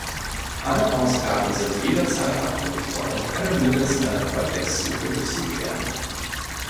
Alle Ausgaben sind jederzeit abrufbar und können mittels einer Volltextsuche durchsucht werden.